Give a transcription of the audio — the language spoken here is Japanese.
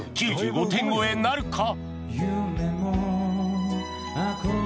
９５点超えなるか？